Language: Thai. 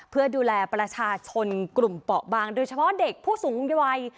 เพื่อดูแลประชาชนกลุ่มเปาะบางโดยเฉพาะเด็กผู้สูงวัย